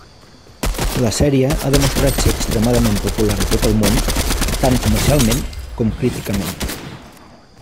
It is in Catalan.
La sèrie ha demostrat ser extremadament popular a tot el món, tant comercialment com críticament.